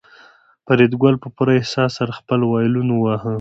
فریدګل په پوره احساس سره خپل وایلون واهه